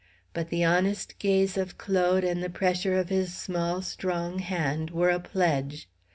But the honest gaze of Claude and the pressure of his small strong hand were a pledge.